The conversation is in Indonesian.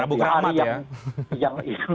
rabu keramat ya